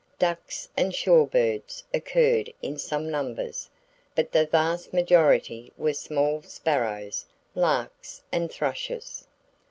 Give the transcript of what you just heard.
Ducks and shorebirds occurred in some numbers, but the vast majority were small sparrows, larks and thrushes.